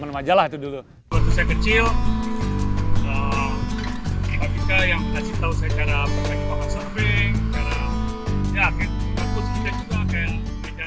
waktu saya kecil kita yang kasih tau saya cara berbagi bahwa surfing